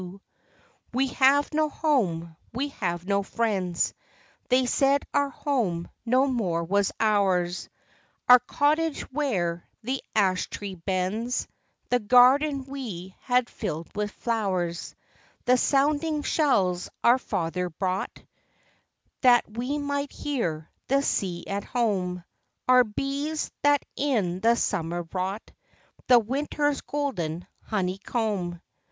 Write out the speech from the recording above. PRECIOUS TRUTHS. 201 We have no home ŌĆö we have no friends; They said our home no more was ours ŌĆö Our cottage where the ash tree bends, The garden we had fillŌĆÖd with flowers; The sounding shells our father brought, That we might hear the sea at home ; Our bees, that in the summer wrought The winterŌĆÖs golden honeycomb.